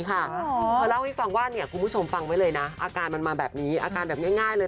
กูเล่าให้ฟังว่าอาการมันมาแบบนี้อาการแบบง่ายเลย